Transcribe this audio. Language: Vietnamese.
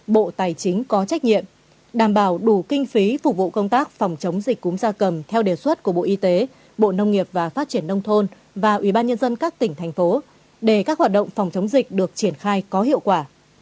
bộ tài chính có trách nhiệm đảm bảo đủ kinh phí phục vụ công tác phòng chống dịch cúm da cầm theo đề xuất của bộ y tế bộ nông nghiệp và phát triển nông thôn và ubnd các tỉnh thành phố để các hoạt động phòng chống dịch được triển khai có hiệu quả